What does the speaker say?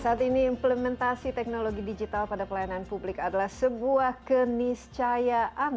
saat ini implementasi teknologi digital pada pelayanan publik adalah sebuah keniscayaan